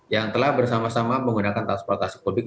yang telah bersama sama menggunakan transportasi publik